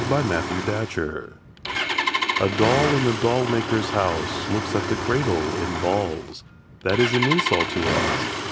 II THE DOLLS A doll in the doll maker's house Looks at the cradle and balls: 'That is an insult to us.'